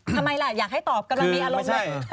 ทำไมล่ะอยากให้ตอบกำลังมีอารมณ์แบบ